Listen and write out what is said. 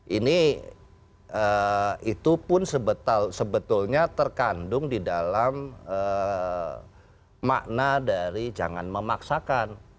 ini itu pun sebetulnya terkandung di dalam makna dari jangan memaksakan